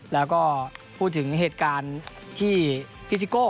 แล้วก็พูดถึงเหตุการณ์ที่พี่ซิโก้